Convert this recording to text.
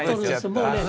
もうね。